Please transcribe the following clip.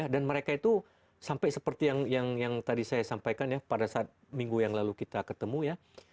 dan mereka itu sampai seperti yang tadi saya sampaikan ya pada saat minggu yang lalu kita ketemu ya